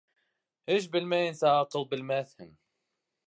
Эш белмәйенсә, аҡыл белмәҫһең.